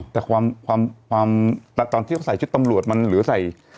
แต่ความตอนที่เขาใส่ชุดตำรวจมันหรือใส่